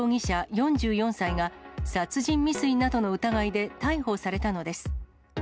４４歳が、殺人未遂などの疑いで逮捕されたのです。